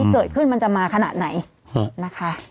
เกิดขึ้นมันจะมาขนาดไหนนะคะ